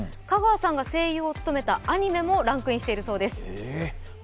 香川さんが声優を務めたアニメもランクインしているそうです。